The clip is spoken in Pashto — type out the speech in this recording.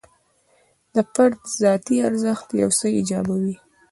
د فرد ذاتي ارزښت یو څه ایجابوي.